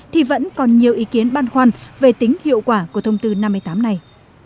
thì vẫn còn nhiều ý kiến ban khoan về tính hiệu quả của thông tư năm mươi tám này